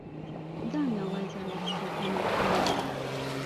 دا مې اول ځل و چې کوټه مې ليدله.